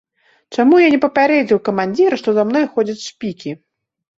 Чаму я не папярэдзіў камандзіра, што за мною ходзяць шпікі?